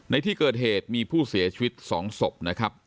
ในที่เกิดเหตุมีผู้เสียชีวิต๒ศพนะครับ